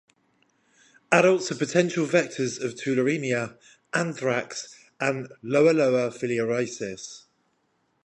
Adults are potential vectors of tularemia, anthrax and loa loa filariasis.